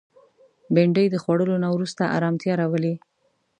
بېنډۍ د خوړلو نه وروسته ارامتیا راولي